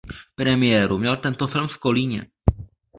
Premiéru měl tento film v Kolíně.